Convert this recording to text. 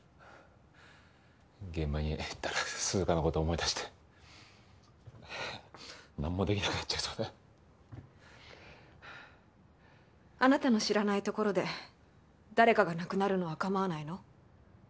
現場に行ったら涼香のこと思い出して何もできなくなっちゃいそうであなたの知らない所で誰かが亡くなるのはかまわないの？